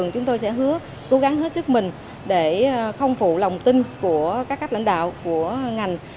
chúng tôi sẽ hứa cố gắng hết sức mình để không phụ lòng tin của các cấp lãnh đạo của ngành